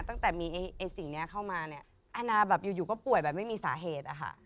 ตั้งแต่มีสิ่งนี้เข้ามาเนี่ยอาณาแบบอยู่ก็ป่วยแบบไม่มีสาเหตุอะค่ะ